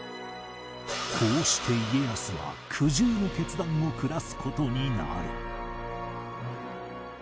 こうして家康は苦渋の決断を下す事になる